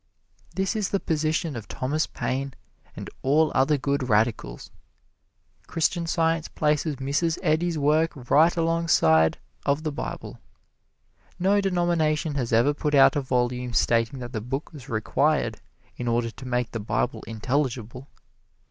This is the position of Thomas Paine, and all other good radicals. Christian Science places Mrs. Eddy's work right alongside of the Bible. No denomination has ever put out a volume stating that the book was required in order to make the Bible intelligible.